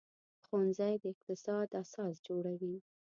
ښوونځی د اقتصاد اساس جوړوي